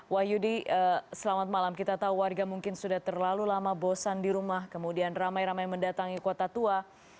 wahyudi selamat malam kita tahu warga mungkin sudah terlalu lama bosan di rumah kemudian ramai ramai mendatangi kota tua